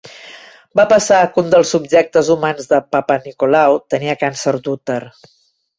Va passar que un dels subjectes humans de Papanicolaou tenia càncer d'úter.